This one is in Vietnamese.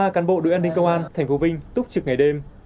một mươi ba cán bộ đội an ninh công an thành phố vinh túc trực ngày đêm